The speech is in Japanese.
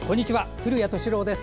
古谷敏郎です。